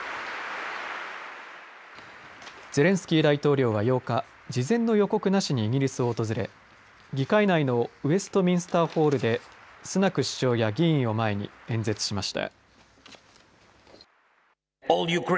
ゼレンスキー大統領は８日事前の予告なしにイギリスを訪れ議会内のウェストミンスターホールでスナク首相や議員を前に演説しました。